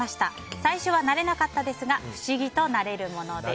最初は慣れなかったですが不思議と慣れるものです。